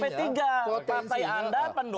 pakai anda pendukung kosong ratu